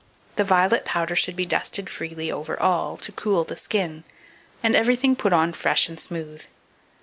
The violet powder should be dusted freely over all, to cool the skin, and everything put on fresh and smooth.